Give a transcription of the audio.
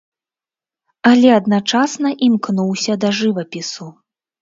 Але адначасна імкнуўся да жывапісу.